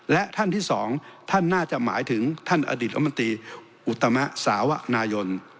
และท่านที่สองท่านน่าจะหมายถึงท่านอดีตรัฐมนตรีอุตมะสาวนายน